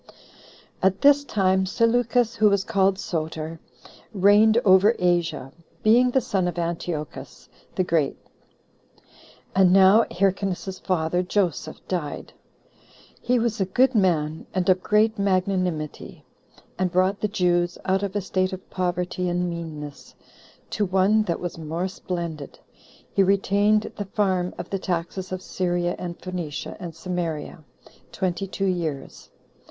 10. At this time Seleucus, who was called Soter, reigned over Asia, being the son of Antiochus the Great. And [now] Hyrcanus's father, Joseph, died. He was a good man, and of great magnanimity; and brought the Jews out of a state of poverty and meanness, to one that was more splendid. He retained the farm of the taxes of Syria, and Phoenicia, and Samaria twenty two years.